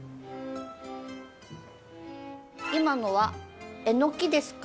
今のはえのきですか？